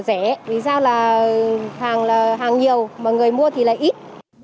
tại sao là hàng nhiều mà người mua thì là ít